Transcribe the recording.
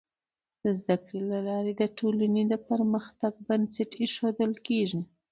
د زده کړي له لارې د ټولني د پرمختګ بنسټ ایښودل کيږي.